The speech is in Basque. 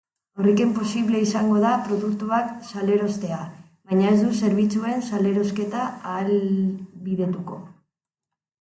Horrekin posible izango da produktuak salerostea, baina ez du zerbitzuen salerosketa ahalbidetuko.